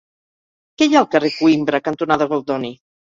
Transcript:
Què hi ha al carrer Coïmbra cantonada Goldoni?